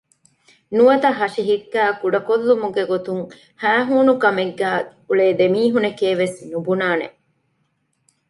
ނުވަތަ ހަށި ހިއްކައި ކުޑަކޮށްލުމުގެ ގޮތުން ހައިހޫނުކަމެއްގައި އުޅޭ ދެމީހުންނެކޭ ވެސް ނުބުނާނެ